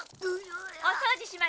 お掃除しま